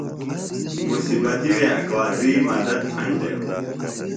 مصیبتی وے اکوادی مدت تھینڈیو۔